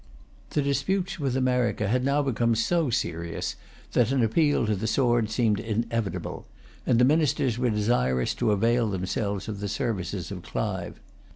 The disputes with America had now become so serious that an appeal to the sword seemed inevitable; and the Ministers were desirous to avail themselves of the services of Clive.